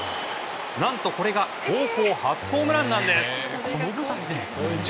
何とこれが高校初ホームランなんです。